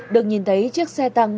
được nhìn thấy chiếc xe tăng